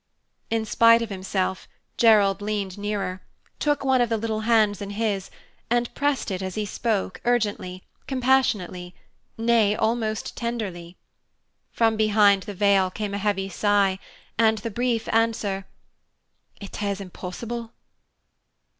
In spite of himself, Gerald leaned nearer, took one of the little hands in his, and pressed it as he spoke, urgently, compassionately, nay, almost tenderly. From behind the veil came a heavy sigh, and the brief answer, "It is impossible."